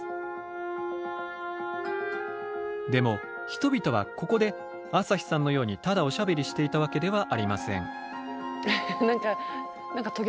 でも人々はここで朝日さんのようにただおしゃべりしていたわけではありません。